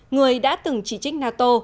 người đã từng chỉ trích nato